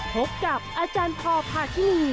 พบกับอาจารย์พอพาคินี